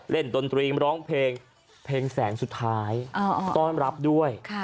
ดนตรีร้องเพลงเพลงแสงสุดท้ายต้อนรับด้วย